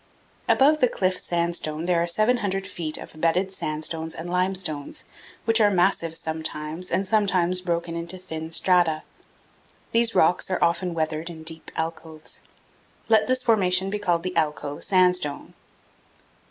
Above the cliff sandstone there are 700 feet of bedded sandstones and limestones, which are massive sometimes and sometimes broken into 380 CANYONS OF THE COLORADO. thin strata. These rocks are often weathered in deep alcoves. Let this formation be called the alcove sandstone.